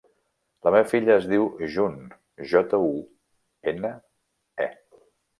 La meva filla es diu June: jota, u, ena, e.